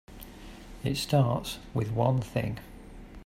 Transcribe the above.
It start with one thing.